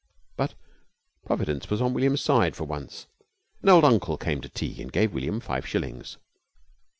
But Providence was on William's side for once. An old uncle came to tea and gave William five shillings.